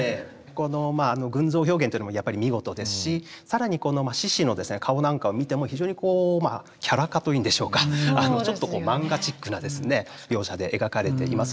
この群像表現というのもやっぱり見事ですし更にこの獅子の顔なんかを見ても非常にこうキャラ化というんでしょうかちょっと漫画チックな描写で描かれていますので非常に親しみやすい。